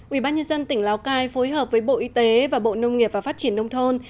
ubnd tỉnh lào cai phối hợp với bộ y tế và bộ nông nghiệp và phát triển nông thôn